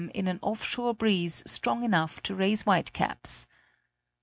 in an off shore breeze strong enough to raise whitecaps.